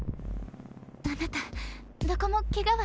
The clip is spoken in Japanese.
あなたどこもケガはない？